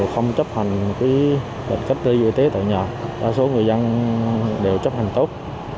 không chấp hành lệnh cách ly y tế tại nhà đa số người dân đều chấp hành tốt